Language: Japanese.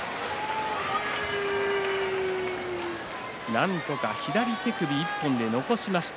なんとか左手首１本で残しました。